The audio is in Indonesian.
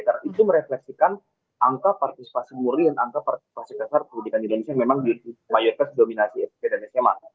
karena itu merefleksikan angka partisipasi murid dan angka partisipasi kasar pendidikan di indonesia memang di majoritas dominasi smp dan sma